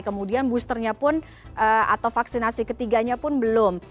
kemudian boosternya pun atau vaksinasi ketiganya pun belum